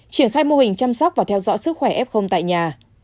triển khai mô hình chăm sóc và theo dõi sức khỏe f tại nhà